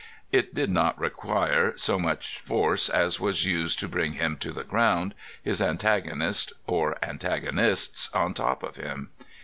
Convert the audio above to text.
It did not require so much force as was used to bring him to the ground, his antagonist or antagonists on top of him.